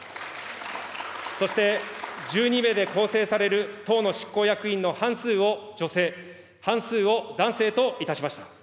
そして、１２名で構成される党の執行役員の半数を女性、半数を男性といたしました。